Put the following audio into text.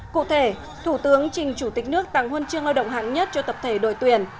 cụ thể thủ tướng trình chủ tịch nước tặng huân chương lao động hạng nhất cho tập thể đội tuyển